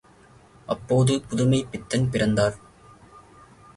அப்போது புதுமைப்பித்தன் பிறந்தார்.